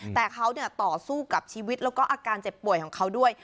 แต่เขาต่อสู้กับชีวิตแล้วก็อาการเจ็บป่วยของเขาด้วย